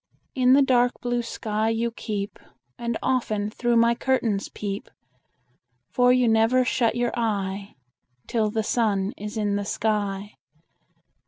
In the dark blue sky you keep, And often through my curtains peep; For you never shut your eye Till the sun is in the sky.